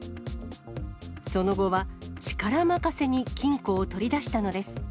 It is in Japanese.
その後は力任せに金庫を取り出したのです。